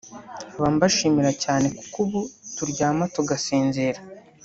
nkaba mbashimira cyane kuko ubu turyama tugasinzira”